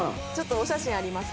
お写真あります。